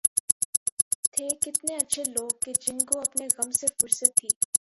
تھے کتنے اچھے لوگ کہ جن کو اپنے غم سے فرصت تھی